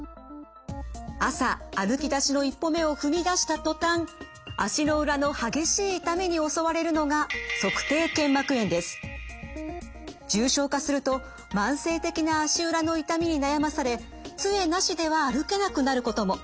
朝歩きだしの１歩目を踏み出した途端足の裏の激しい痛みに襲われるのが重症化すると慢性的な足裏の痛みに悩まされつえなしでは歩けなくなることも。